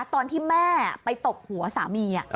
ตอนที่แม่ไปตบหัวสามี